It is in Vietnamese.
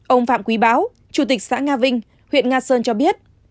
ông phạm quý báo chủ tịch xã nga vinh huyện nga sơn cho biết